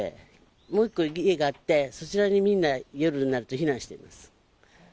もう１個家があって、そちらにみんな、夜になると避難しています。